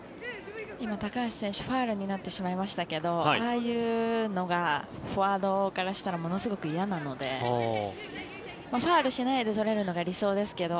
今、高橋選手ファウルになってしまいましたがああいうのがフォワードからしたらものすごく嫌なのでファウルしないで取れるのが理想ですけど